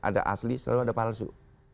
ada asli selalu ada palsu